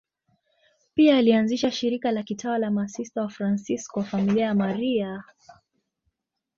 Pia alianzisha shirika la kitawa la Masista Wafransisko wa Familia ya Maria.